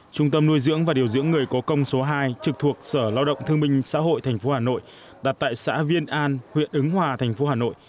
trung tâm nuôi dưỡng và điều dưỡng người có công số hai trực thuộc sở lao động thương minh xã hội tp hà nội đặt tại xã viên an huyện ứng hòa thành phố hà nội